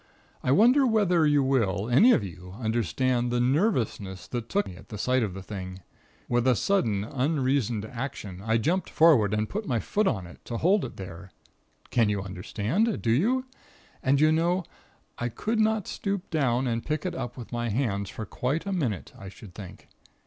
I wonder whether you will, any of you, understand the nervousness that took me at the sight of the thing. With a sudden, unreasoned action, I jumped forward and put my foot on it, to hold it there. Can you understand? Do you? And, you know, I could not stoop down and pick it up with my hands for quite a minute, I should think.